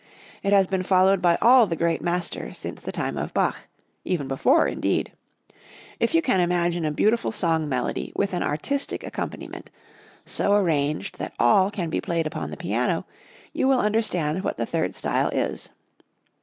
It has been followed by all the great masters since the time of Bach, even before, indeed. If you can imagine a beautiful song melody with an artistic accompaniment, so arranged that all can be played upon the piano, you will understand what the third style is.